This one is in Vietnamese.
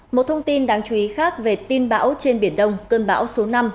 một thông tin đáng chú ý khác về tin bão trên biển đông cơn bão số năm